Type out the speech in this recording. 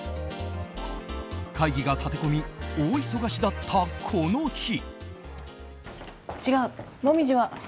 会議が立て込み大忙しだったこの日。